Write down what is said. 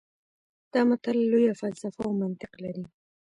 دا متل لویه فلسفه او منطق لري